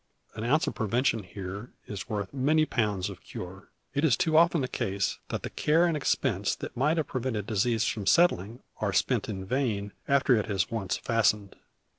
An ounce of prevention here is worth many pounds of cure. It is too often the case that the care and expense that might have prevented disease from settling are spent in vain after it has once fastened.